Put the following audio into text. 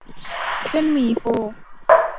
เส้นหมี่โฟ